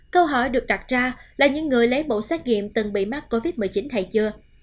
câu hỏi được đặt ra là những người lấy mẫu xét nghiệm từng bị mắc covid một mươi chín hay chưa